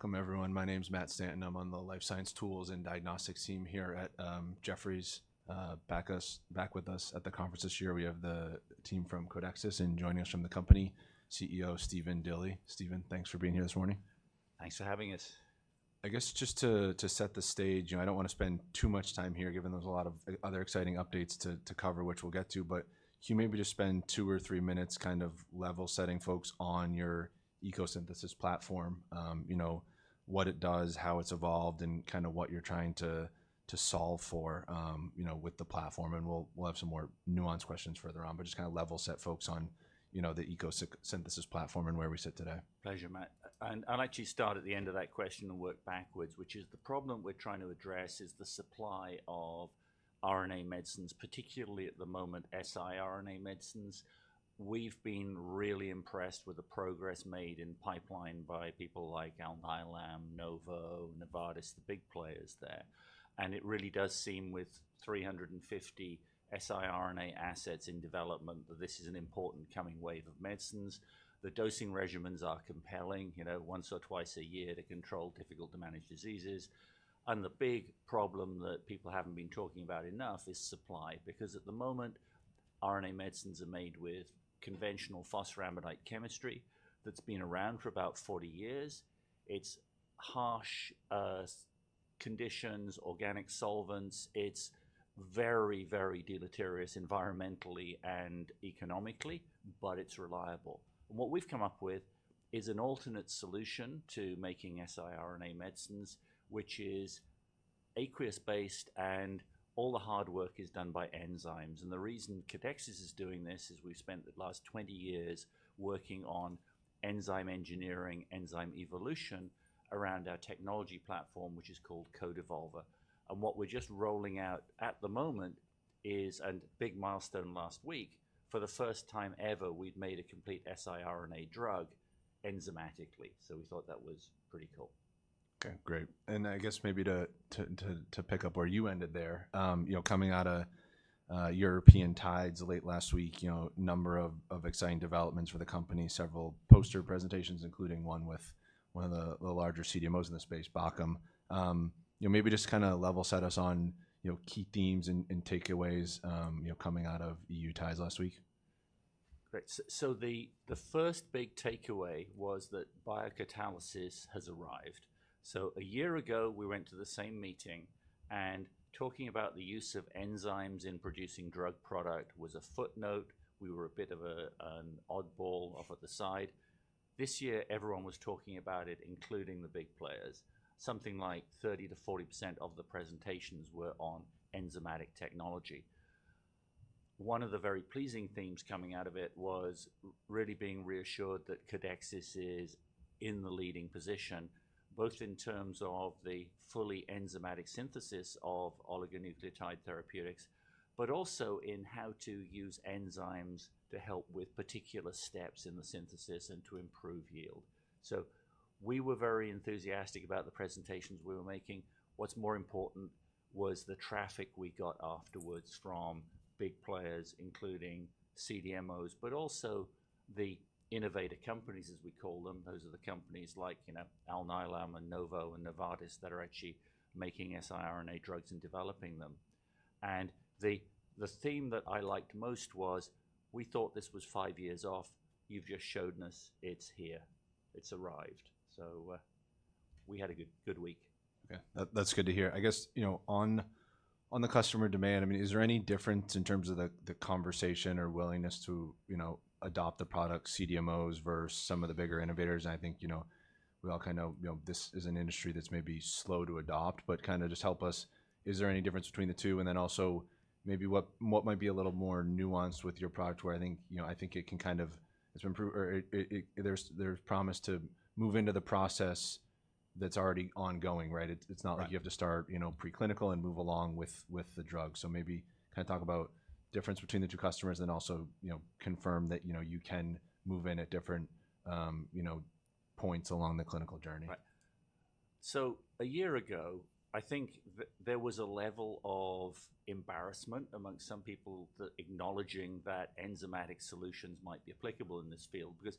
All right, welcome everyone. My name's Matt Stanton. I'm on the Life Science Tools and Diagnostics team here at Jefferies, back with us at the conference this year. We have the team from Codexis and joining us from the company, CEO Stephen Dilly. Stephen, thanks for being here this morning. Thanks for having us. I guess just to set the stage, I don't want to spend too much time here given there's a lot of other exciting updates to cover, which we'll get to. But can you maybe just spend two or three minutes kind of level-setting folks on your ECO Synthesis platform, what it does, how it's evolved, and kind of what you're trying to solve for with the platform? And we'll have some more nuanced questions further on, but just kind of level-set folks on the ECO Synthesis platform and where we sit today. Pleasure, Matt. I'll actually start at the end of that question and work backwards, which is the problem we're trying to address is the supply of RNA medicines, particularly at the moment siRNA medicines. We've been really impressed with the progress made in pipeline by people like Alnylam, Novo, Novartis, the big players there. It really does seem with 350 siRNA assets in development that this is an important coming wave of medicines. The dosing regimens are compelling, once or twice a year to control difficult-to-manage diseases. The big problem that people haven't been talking about enough is supply because at the moment, RNA medicines are made with conventional phosphoramidite chemistry that's been around for about 40 years. It's harsh conditions, organic solvents. It's very, very deleterious environmentally and economically, but it's reliable. And what we've come up with is an alternate solution to making siRNA medicines, which is aqueous-based and all the hard work is done by enzymes. And the reason Codexis is doing this is we've spent the last 20 years working on enzyme engineering, enzyme evolution around our technology platform, which is called CodeEvolver. And what we're just rolling out at the moment is a big milestone last week. For the first time ever, we've made a complete siRNA drug enzymatically. So we thought that was pretty cool. Okay, great. And I guess maybe to pick up where you ended there, coming out of European TIDES late last week, a number of exciting developments for the company, several poster presentations, including one with one of the larger CDMOs in the space, Bachem. Maybe just kind of level-set us on key themes and takeaways coming out of EU TIDES last week? Great. So the first big takeaway was that biocatalysis has arrived. So a year ago, we went to the same meeting and talking about the use of enzymes in producing drug product was a footnote. We were a bit of an oddball off at the side. This year, everyone was talking about it, including the big players. Something like 30%-40% of the presentations were on enzymatic technology. One of the very pleasing themes coming out of it was really being reassured that Codexis is in the leading position, both in terms of the fully enzymatic synthesis of oligonucleotide therapeutics, but also in how to use enzymes to help with particular steps in the synthesis and to improve yield. So we were very enthusiastic about the presentations we were making. What's more important was the traffic we got afterwards from big players, including CDMOs, but also the innovator companies, as we call them. Those are the companies like Alnylam and Novo and Novartis that are actually making siRNA drugs and developing them. And the theme that I liked most was we thought this was five years off. You've just showed us it's here. It's arrived. So we had a good week. Okay, that's good to hear. I guess on the customer demand, I mean, is there any difference in terms of the conversation or willingness to adopt the product, CDMOs versus some of the bigger innovators? And I think we all kind of know this is an industry that's maybe slow to adopt, but kind of just help us. Is there any difference between the two? And then also maybe what might be a little more nuanced with your product where I think it can kind of, there's promise to move into the process that's already ongoing, right? It's not like you have to start preclinical and move along with the drug. So maybe kind of talk about the difference between the two customers and then also confirm that you can move in at different points along the clinical journey. Right. So a year ago, I think there was a level of embarrassment among some people acknowledging that enzymatic solutions might be applicable in this field because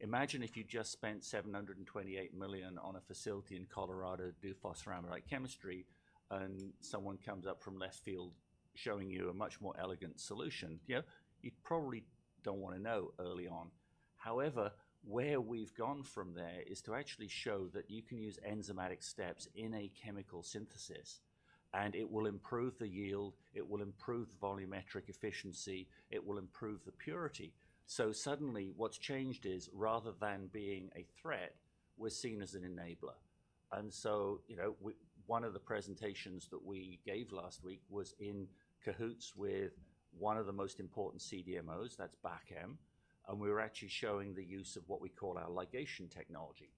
imagine if you just spent $728 million on a facility in Colorado to do phosphoramidite chemistry and someone comes up from left field showing you a much more elegant solution. You probably don't want to know early on. However, where we've gone from there is to actually show that you can use enzymatic steps in a chemical synthesis and it will improve the yield. It will improve volumetric efficiency. It will improve the purity. So suddenly what's changed is rather than being a threat, we're seen as an enabler. And so one of the presentations that we gave last week was in cahoots with one of the most important CDMOs, that's Bachem. We were actually showing the use of what we call our ligation technology.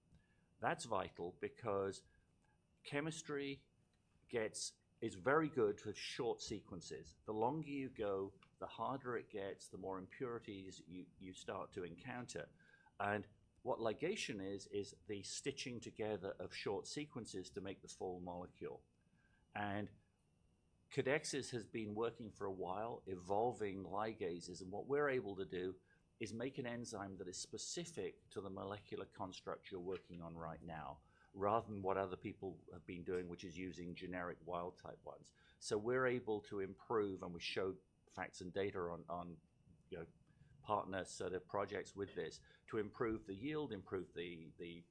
That's vital because chemistry is very good for short sequences. The longer you go, the harder it gets, the more impurities you start to encounter. What ligation is, is the stitching together of short sequences to make the full molecule. Codexis has been working for a while evolving ligases. And what we're able to do is make an enzyme that is specific to the molecular construct you're working on right now, rather than what other people have been doing, which is using generic wild type ones. We're able to improve and we show facts and data on partners' projects with this to improve the yield, improve the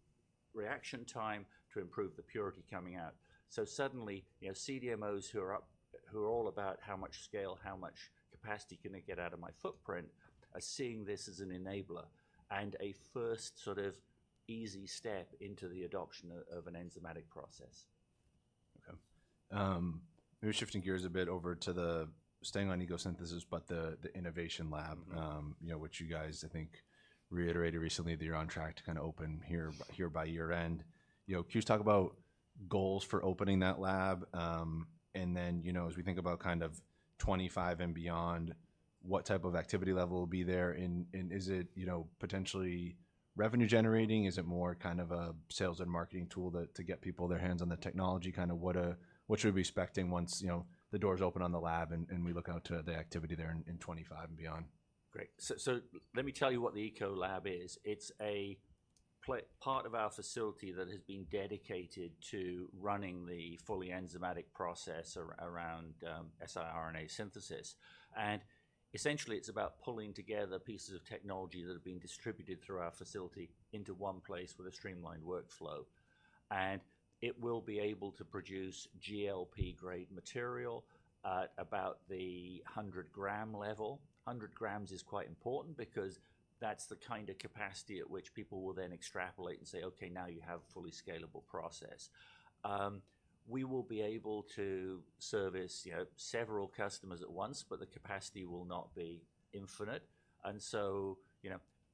reaction time, to improve the purity coming out. So suddenly CDMOs who are all about how much scale, how much capacity can I get out of my footprint are seeing this as an enabler and a first sort of easy step into the adoption of an enzymatic process. Okay. Maybe shifting gears a bit over to the, staying on ECO Synthesis, but the Ecolab, which you guys I think reiterated recently that you're on track to kind of open here by year end. Can you just talk about goals for opening that lab? And then as we think about kind of 2025 and beyond, what type of activity level will be there? And is it potentially revenue generating? Is it more kind of a sales and marketing tool to get people their hands on the technology? Kind of what should we be expecting once the doors open on the lab and we look out to the activity there in 2025 and beyond? Great, so let me tell you what the Ecolab is. It's a part of our facility that has been dedicated to running the fully enzymatic process around siRNA synthesis, and essentially it's about pulling together pieces of technology that have been distributed through our facility into one place with a streamlined workflow. And it will be able to produce GLP-grade material at about the 100 gram level. 100 grams is quite important because that's the kind of capacity at which people will then extrapolate and say, "Okay, now you have a fully scalable process." We will be able to service several customers at once, but the capacity will not be infinite, and so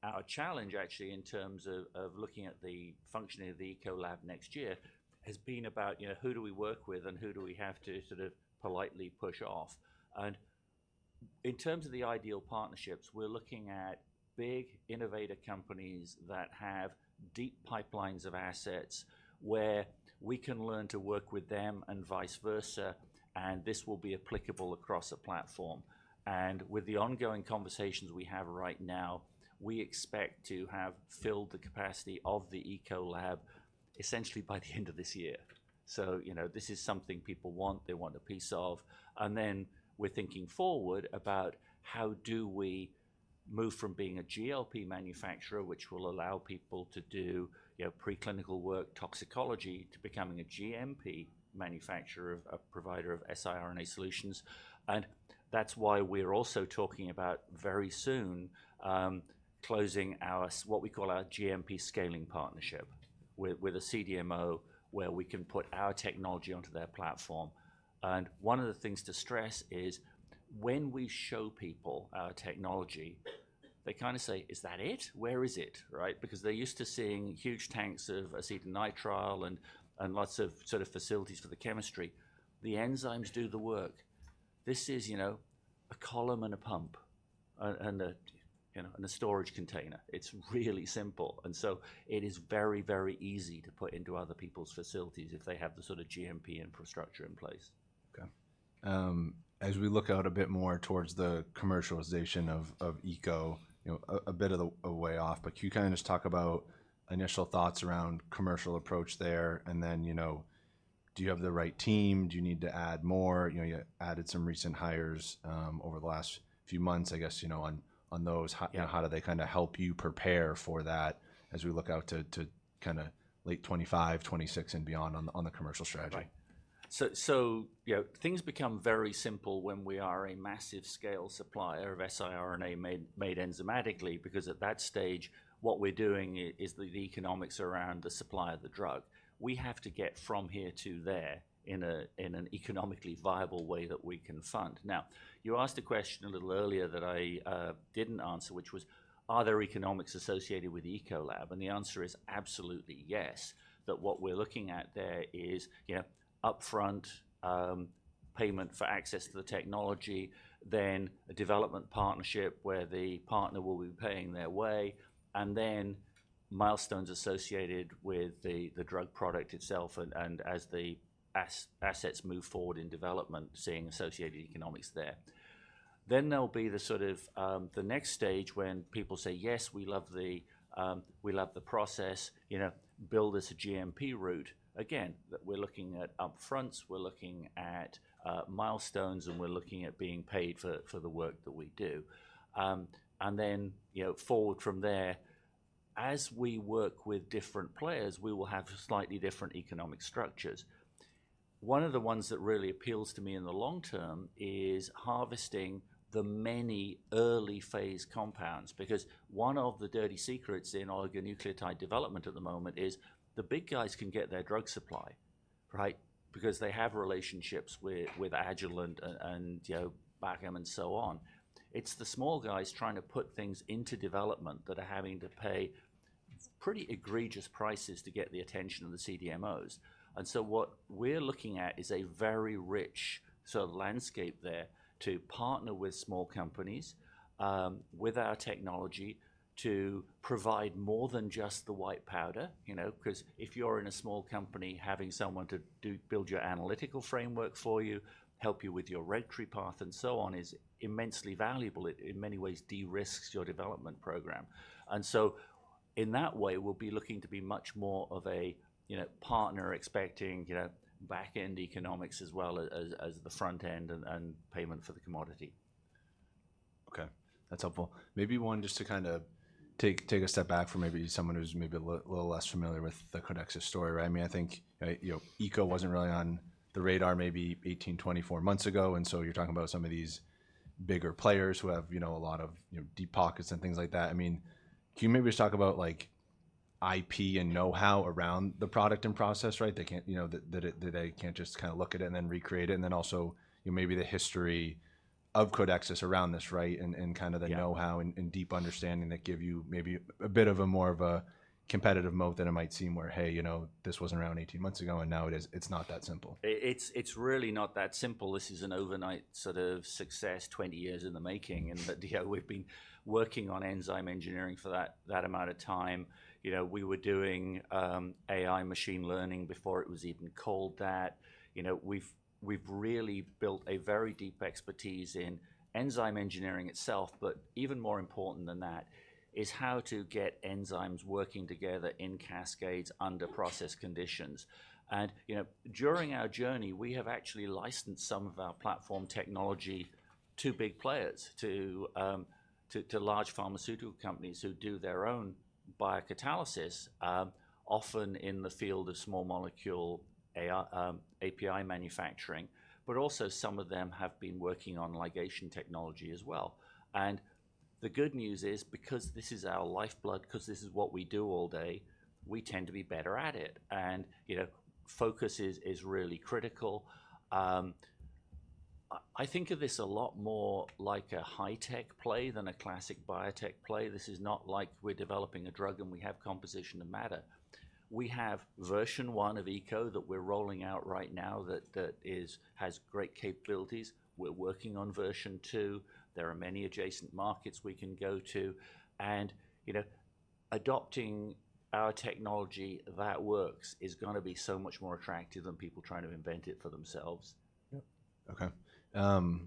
our challenge actually in terms of looking at the functioning of the Ecolab next year has been about who do we work with and who do we have to sort of politely push off. And in terms of the ideal partnerships, we're looking at big innovator companies that have deep pipelines of assets where we can learn to work with them and vice versa, and this will be applicable across a platform. And with the ongoing conversations we have right now, we expect to have filled the capacity of the Ecolab essentially by the end of this year. So this is something people want, they want a piece of. And then we're thinking forward about how do we move from being a GLP manufacturer, which will allow people to do preclinical work, toxicology to becoming a GMP manufacturer, a provider of siRNA solutions. And that's why we're also talking about very soon closing what we call our GMP scaling partnership with a CDMO where we can put our technology onto their platform. And one of the things to stress is when we show people our technology, they kind of say, "Is that it? Where is it?" Right? Because they're used to seeing huge tanks of acetonitrile and lots of sort of facilities for the chemistry. The enzymes do the work. This is a column and a pump and a storage container. It's really simple. And so it is very, very easy to put into other people's facilities if they have the sort of GMP infrastructure in place. Okay. As we look out a bit more towards the commercialization of Eco, a bit of a way off, but can you kind of just talk about initial thoughts around commercial approach there? And then do you have the right team? Do you need to add more? You added some recent hires over the last few months, I guess, on those. How do they kind of help you prepare for that as we look out to kind of late 2025, 2026 and beyond on the commercial strategy? Right. So things become very simple when we are a massive scale supplier of siRNA made enzymatically because at that stage, what we're doing is the economics around the supply of the drug. We have to get from here to there in an economically viable way that we can fund. Now, you asked a question a little earlier that I didn't answer, which was, are there economics associated with Ecolab? And the answer is absolutely yes, that what we're looking at there is upfront payment for access to the technology, then a development partnership where the partner will be paying their way, and then milestones associated with the drug product itself and as the assets move forward in development, seeing associated economics there. Then there'll be the sort of the next stage when people say, "Yes, we love the process. Build us a GMP route." Again, we're looking at upfronts, we're looking at milestones, and we're looking at being paid for the work that we do, and then forward from there, as we work with different players, we will have slightly different economic structures. One of the ones that really appeals to me in the long term is harvesting the many early phase compounds because one of the dirty secrets in oligonucleotide development at the moment is the big guys can get their drug supply, right? Because they have relationships with Agilent and Bachem and so on. It's the small guys trying to put things into development that are having to pay pretty egregious prices to get the attention of the CDMOs. What we're looking at is a very rich sort of landscape there to partner with small companies with our technology to provide more than just the white powder. Because if you're in a small company having someone to build your analytical framework for you, help you with your regulatory path and so on is immensely valuable. It in many ways de-risks your development program. In that way, we'll be looking to be much more of a partner expecting back-end economics as well as the front-end and payment for the commodity. Okay. That's helpful. Maybe one just to kind of take a step back for maybe someone who's maybe a little less familiar with the Codexis story, right? I mean, I think Eco wasn't really on the radar maybe 18, 24 months ago. And so you're talking about some of these bigger players who have a lot of deep pockets and things like that. I mean, can you maybe just talk about IP and know-how around the product and process, right? That they can't just kind of look at it and then recreate it. And then also maybe the history of Codexis around this, right? And kind of the know-how and deep understanding that give you maybe a bit of a more of a competitive moat than it might seem where, "Hey, this wasn't around 18 months ago and now it's not that simple. It's really not that simple. This is an overnight sort of success, 20 years in the making. And we've been working on enzyme engineering for that amount of time. We were doing AI machine learning before it was even called that. We've really built a very deep expertise in enzyme engineering itself, but even more important than that is how to get enzymes working together in cascades under process conditions. And during our journey, we have actually licensed some of our platform technology to big players, to large pharmaceutical companies who do their own biocatalysis, often in the field of small molecule API manufacturing, but also some of them have been working on ligation technology as well. And the good news is because this is our lifeblood, because this is what we do all day, we tend to be better at it. And focus is really critical. I think of this a lot more like a high-tech play than a classic biotech play. This is not like we're developing a drug and we have composition of matter. We have version one of Eco that we're rolling out right now that has great capabilities. We're working on version two. There are many adjacent markets we can go to. And adopting our technology that works is going to be so much more attractive than people trying to invent it for themselves. Yep. Okay.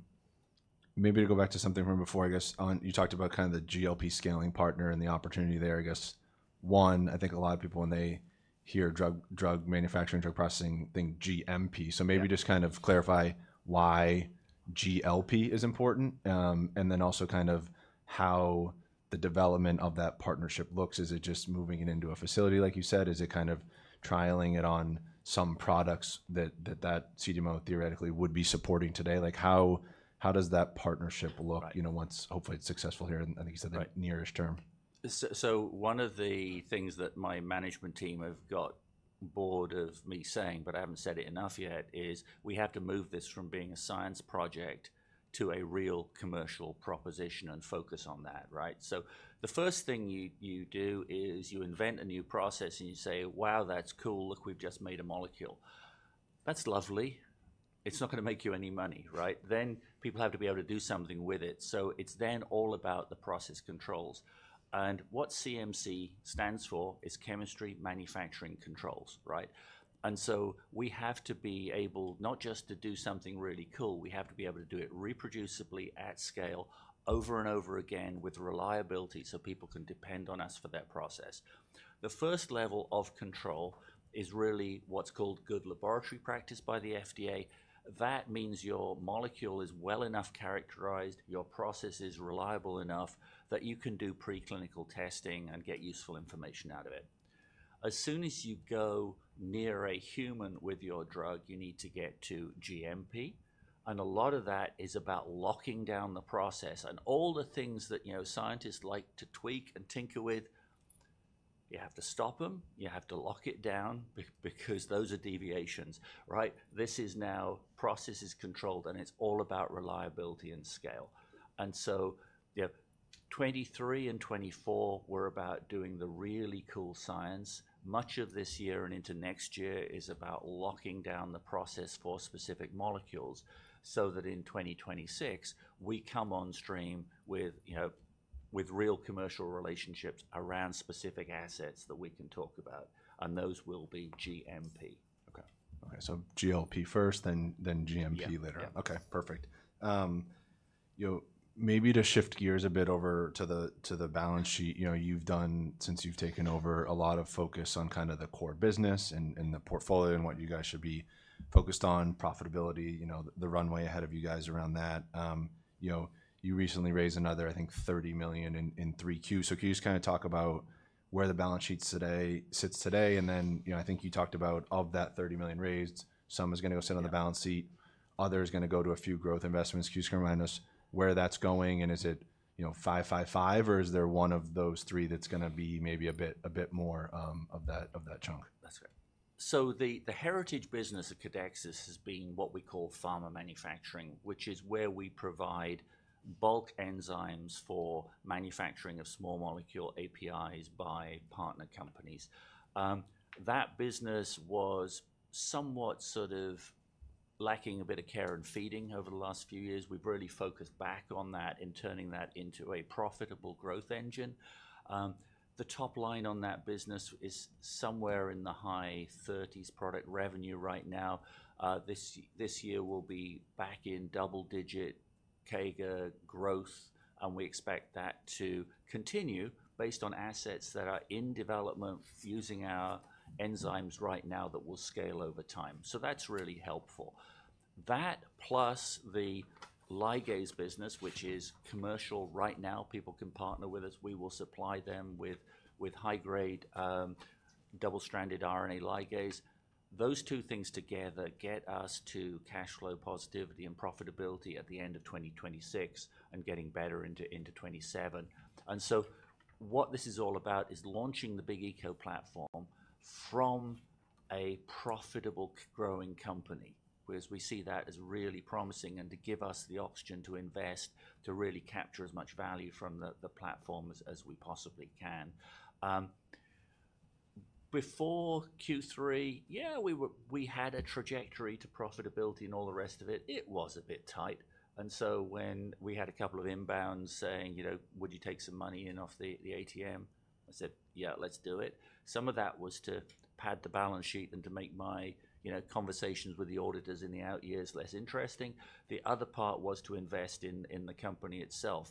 Maybe to go back to something from before, I guess you talked about kind of the GLP scaling partner and the opportunity there, I guess. One, I think a lot of people when they hear drug manufacturing, drug processing, think GMP. So maybe just kind of clarify why GLP is important and then also kind of how the development of that partnership looks. Is it just moving it into a facility, like you said? Is it kind of trialing it on some products that that CDMO theoretically would be supporting today? How does that partnership look once hopefully it's successful here? And I think you said the nearest term. So one of the things that my management team have got bored of me saying, but I haven't said it enough yet, is we have to move this from being a science project to a real commercial proposition and focus on that, right? So the first thing you do is you invent a new process and you say, "Wow, that's cool. Look, we've just made a molecule." That's lovely. It's not going to make you any money, right? Then people have to be able to do something with it. So it's then all about the process controls. And what CMC stands for is Chemistry, Manufacturing, and Controls, right? And so we have to be able not just to do something really cool, we have to be able to do it reproducibly at scale over and over again with reliability so people can depend on us for that process. The first level of control is really what's called good laboratory practice by the FDA. That means your molecule is well enough characterized, your process is reliable enough that you can do preclinical testing and get useful information out of it. As soon as you go near a human with your drug, you need to get to GMP. And a lot of that is about locking down the process. And all the things that scientists like to tweak and tinker with, you have to stop them. You have to lock it down because those are deviations, right? This is now processes controlled and it's all about reliability and scale. And so 2023 and 2024 were about doing the really cool science. Much of this year and into next year is about locking down the process for specific molecules so that in 2026, we come on stream with real commercial relationships around specific assets that we can talk about, and those will be GMP. Okay. Okay, so GLP first, then GMP later. Yeah. Okay. Perfect. Maybe to shift gears a bit over to the balance sheet. You've done, since you've taken over, a lot of focus on kind of the core business and the portfolio and what you guys should be focused on, profitability, the runway ahead of you guys around that. You recently raised another, I think, $30 million in 3Q. So can you just kind of talk about where the balance sheet sits today? And then I think you talked about of that $30 million raised, some is going to go sit on the balance sheet, other is going to go to a few growth investments. Can you just kind of remind us where that's going? And is it five, five, five, or is there one of those three that's going to be maybe a bit more of that chunk? That's correct. So the heritage business of Codexis has been what we call pharma manufacturing, which is where we provide bulk enzymes for manufacturing of small molecule APIs by partner companies. That business was somewhat sort of lacking a bit of care and feeding over the last few years. We've really focused back on that and turning that into a profitable growth engine. The top line on that business is somewhere in the high 30s product revenue right now. This year will be back in double-digit CAGR growth, and we expect that to continue based on assets that are in development, using our enzymes right now that will scale over time. So that's really helpful. That plus the ligase business, which is commercial right now, people can partner with us, we will supply them with high-grade double-stranded RNA ligase. Those two things together get us to cash flow positivity and profitability at the end of 2026 and getting better into 2027. And so what this is all about is launching the big Eco platform from a profitable growing company, whereas we see that as really promising and to give us the oxygen to invest, to really capture as much value from the platform as we possibly can. Before Q3, yeah, we had a trajectory to profitability and all the rest of it. It was a bit tight. And so when we had a couple of inbounds saying, "Would you take some money in off the ATM?" I said, "Yeah, let's do it." Some of that was to pad the balance sheet and to make my conversations with the auditors in the out years less interesting. The other part was to invest in the company itself.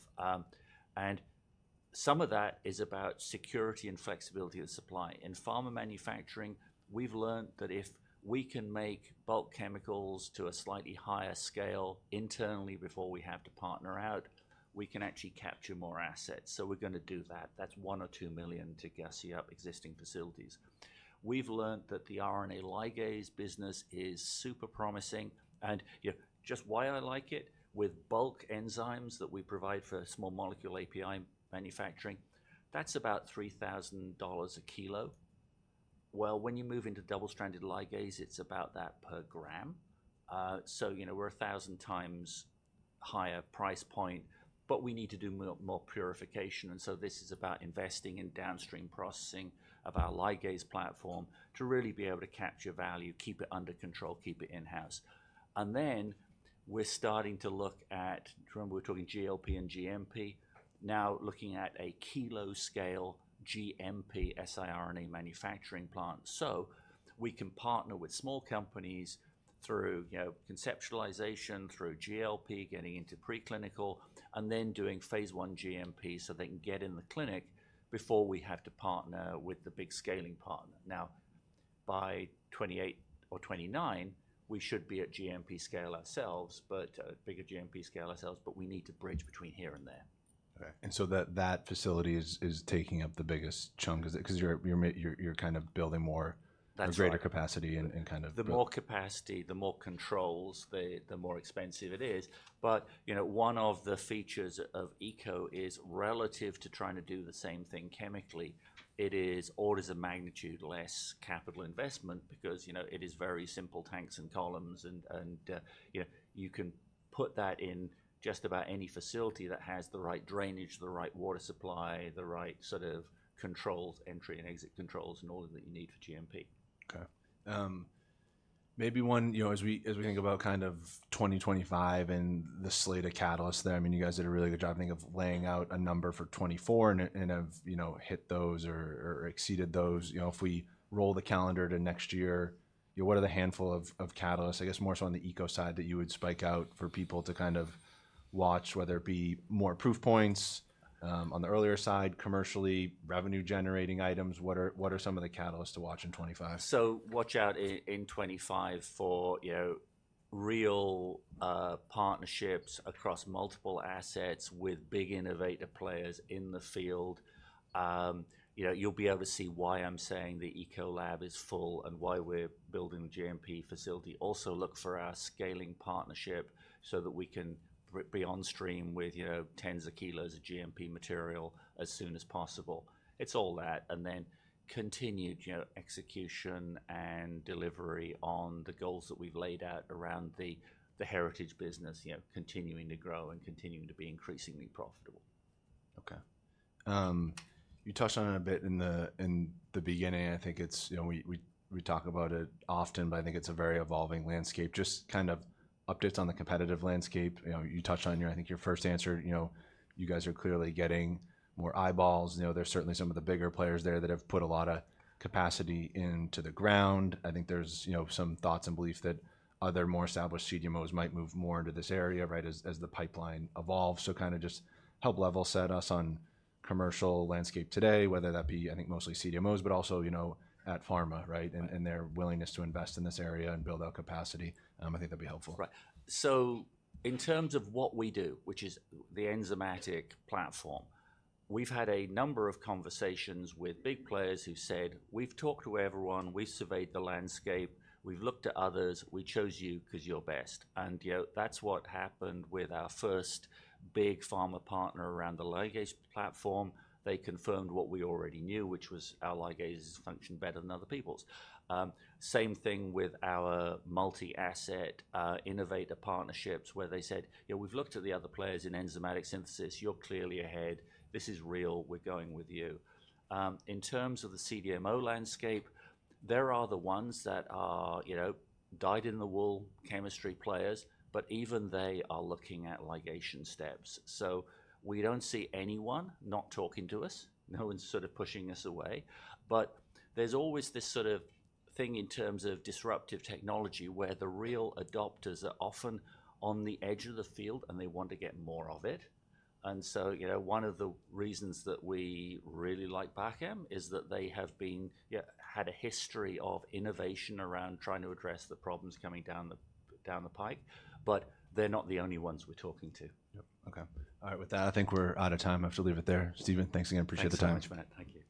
Some of that is about security and flexibility of supply. In pharma manufacturing, we've learned that if we can make bulk chemicals to a slightly higher scale internally before we have to partner out, we can actually capture more assets. We're going to do that. That's $1 million-$2 million to gussy up existing facilities. We've learned that the RNA ligase business is super promising. Just why I like it? With bulk enzymes that we provide for small molecule API manufacturing, that's about $3,000 a kilo. When you move into double-stranded ligase, it's about that per gram. We're a thousand times higher price point, but we need to do more purification. This is about investing in downstream processing of our ligase platform to really be able to capture value, keep it under control, keep it in-house. And then we're starting to look at. Remember we're talking GLP and GMP. Now looking at a kilo-scale GMP siRNA manufacturing plant. So we can partner with small companies through conceptualization, through GLP, getting into preclinical, and then doing phase one GMP so they can get in the clinic before we have to partner with the big scaling partner. Now, by 2028 or 2029, we should be at bigger GMP scale ourselves, but we need to bridge between here and there. Okay. And so that facility is taking up the biggest chunk of it because you're kind of building more or greater capacity and kind of. The more capacity, the more controls, the more expensive it is. But one of the features of Eco is relative to trying to do the same thing chemically. It is orders of magnitude less capital investment because it is very simple tanks and columns, and you can put that in just about any facility that has the right drainage, the right water supply, the right sort of controls, entry and exit controls, and all that you need for GMP. Okay. Maybe one, as we think about kind of 2025 and the slate of catalysts there, I mean, you guys did a really good job. I think of laying out a number for 2024 and have hit those or exceeded those. If we roll the calendar to next year, what are the handful of catalysts, I guess, more so on the Eco side that you would call out for people to kind of watch, whether it be more proof points on the earlier side, commercially, revenue-generating items? What are some of the catalysts to watch in 2025? So watch out in 2025 for real partnerships across multiple assets with big innovator players in the field. You'll be able to see why I'm saying the Ecolab is full and why we're building the GMP facility. Also look for our scaling partnership so that we can be on stream with tens of kilos of GMP material as soon as possible. It's all that. And then continued execution and delivery on the goals that we've laid out around the heritage business, continuing to grow and continuing to be increasingly profitable. Okay. You touched on it a bit in the beginning. I think we talk about it often, but I think it's a very evolving landscape. Just kind of updates on the competitive landscape. You touched on, I think, your first answer. You guys are clearly getting more eyeballs. There's certainly some of the bigger players there that have put a lot of capacity into the ground. I think there's some thoughts and beliefs that other more established CDMOs might move more into this area, right, as the pipeline evolves. So kind of just help level set us on commercial landscape today, whether that be, I think, mostly CDMOs, but also at pharma, right, and their willingness to invest in this area and build out capacity. I think that'd be helpful. Right. So in terms of what we do, which is the enzymatic platform, we've had a number of conversations with big players who said, "We've talked to everyone. We've surveyed the landscape. We've looked at others. We chose you because you're best." And that's what happened with our first big pharma partner around the ligase platform. They confirmed what we already knew, which was our ligase function better than other people's. Same thing with our multi-asset innovator partnerships where they said, "We've looked at the other players in enzymatic synthesis. You're clearly ahead. This is real. We're going with you." In terms of the CDMO landscape, there are the ones that are dyed in the wool chemistry players, but even they are looking at ligation steps. So we don't see anyone not talking to us. No one's sort of pushing us away. But there's always this sort of thing in terms of disruptive technology where the real adopters are often on the edge of the field and they want to get more of it. And so one of the reasons that we really like Bachem is that they have had a history of innovation around trying to address the problems coming down the pike, but they're not the only ones we're talking to. Yep. Okay. All right. With that, I think we're out of time. I have to leave it there. Stephen, thanks again. Appreciate the time. Thank you so much, Matt. Thank you.